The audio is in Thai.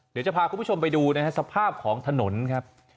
เดี๋ยวจะพาคุณผู้ชมไปดูนะฮะสภาพของถนนครับ